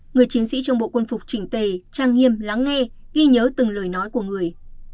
người chiến sĩ trong bộ quân phục trình tề trang nghiêm lắng nghe ghi nhớ từng lời nói của người